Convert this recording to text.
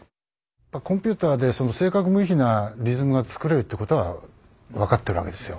コンピューターで正確無比なリズムが作れるってことは分かってるわけですよ。